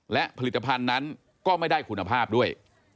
และผลิตภัณฑ์นั้นก็ไม่ได้คุณภาพด้วย